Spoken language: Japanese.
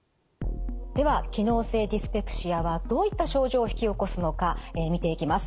では機能性ディスペプシアはどういった症状を引き起こすのか見ていきます。